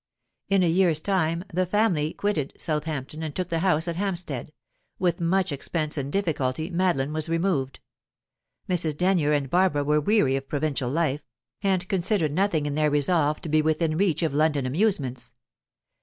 In a year's time, the family quitted Southampton and took the house at Hampstead; with much expense and difficulty Madeline was removed. Mrs. Denyer and Barbara were weary of provincial life, and considered nothing in their resolve to be within reach of London amusements.